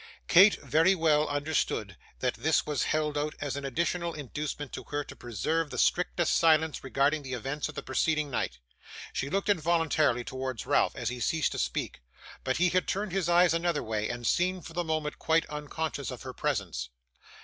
Kate very well understood that this was held out as an additional inducement to her to preserve the strictest silence regarding the events of the preceding night. She looked involuntarily towards Ralph as he ceased to speak, but he had turned his eyes another way, and seemed for the moment quite unconscious of her presence.